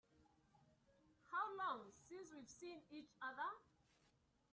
How long since we've seen each other?